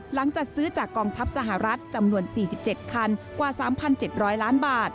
จัดซื้อจากกองทัพสหรัฐจำนวน๔๗คันกว่า๓๗๐๐ล้านบาท